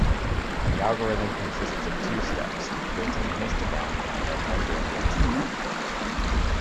The algorithm consists of two steps: creating a histogram and then rendering the histogram.